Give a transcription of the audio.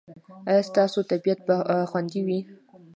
ایا ستاسو طبیعت به خوندي وي؟